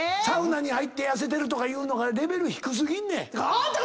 サウナに入って痩せてるとかいうのがレベル低過ぎんねん。